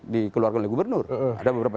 dikeluarkan oleh gubernur ada beberapa